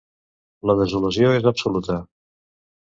La desolació és absoluta.